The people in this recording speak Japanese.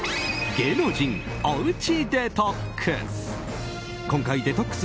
芸能人おうちデトックス。